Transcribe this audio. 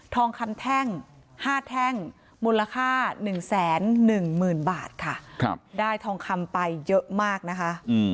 ทองคำแท่ง๕แท่งมูลค่า๑๑๐๐๐บาทค่ะได้ทองคำไปเยอะมากนะคะ